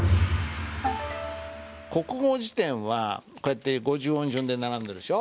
国語辞典はこうやって五十音順で並んでるでしょ。